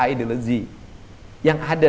ideology yang ada